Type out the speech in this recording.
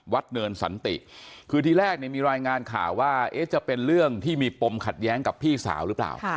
เนินสันติคือที่แรกเนี่ยมีรายงานข่าวว่าจะเป็นเรื่องที่มีปมขัดแย้งกับพี่สาวหรือเปล่า